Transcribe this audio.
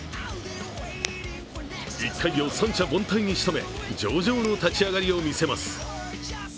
１回を三者凡退にしとめ上々の立ち上がりを見せます。